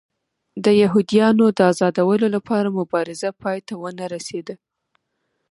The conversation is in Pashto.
د یهودیانو د ازادولو لپاره مبارزه پای ته ونه رسېده.